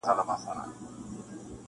لوڅ لپړ توره تر ملا شمله یې جګه-